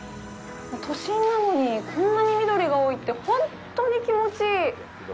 都心なのに、こんなに緑が多いって本当に気持ちいい。